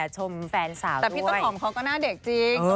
ชมแฟนสาวแต่พี่ต้นหอมเขาก็หน้าเด็กจริง